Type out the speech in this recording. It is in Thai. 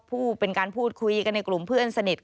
เป็นการพูดคุยกันในกลุ่มเพื่อนสนิท